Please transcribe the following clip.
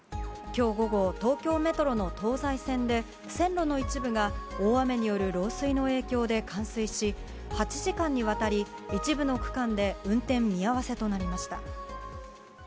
きょう午後、東京メトロの東西線で、線路の一部が大雨による漏水の影響で冠水し、８時間にわたり一部の区間で運転見合わせとなりました。